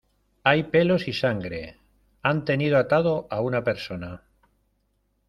hay pelos y sangre. han tenido atado a una persona .